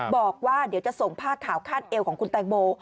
บอกว่าเดี๋ยวจะส่งผ้าขาวคาดเอวของคุณแตงโม